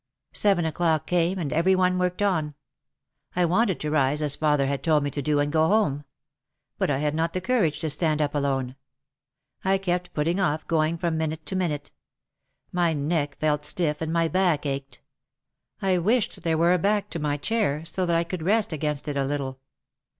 Seven o'clock came and every one worked on. I wanted to rise as father had told me to do and go home. But I had not the courage to stand up alone. I kept put ting off going from minute to minute. My neck felt stiff and my back ached. I wished there were a back to my chair so that I could rest against it a little.